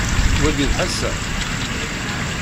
Wagi d Ḥasan?